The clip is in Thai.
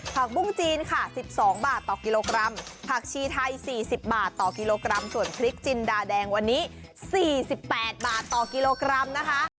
ผักบุ้งจีนค่ะ๑๒บาทต่อกิโลกรัมผักชีไทย๔๐บาทต่อกิโลกรัมส่วนพริกจินดาแดงวันนี้๔๘บาทต่อกิโลกรัมนะคะ